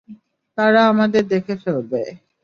তারা আমাদের দেখে ফেলবে।